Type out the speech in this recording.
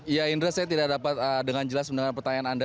ya indra saya tidak dapat dengan jelas mendengar pertanyaan anda